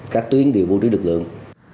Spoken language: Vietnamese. các tuyến đều bố trí lực lượng